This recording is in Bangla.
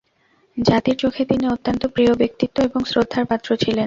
জাতির চোখে তিনি অত্যন্ত প্রিয় ব্যক্তিত্ব এবং শ্রদ্ধার পাত্র ছিলেন।